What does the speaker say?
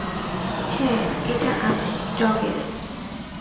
হ্যাঁ, এটা আমি, ডগ-এল।